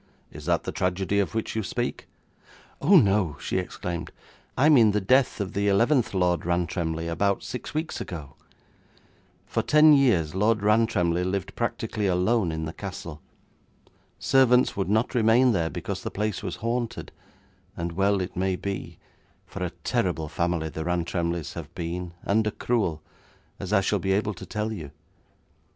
Is that the tragedy of which you speak?' 'Oh no,' she exclaimed; 'I mean the death of the eleventh Lord Rantremly about six weeks ago. For ten years Lord Rantremly lived practically alone in the castle. Servants would not remain there because the place was haunted, and well it may be, for a terrible family the Rantremlys have been, and a cruel, as I shall be able to tell you.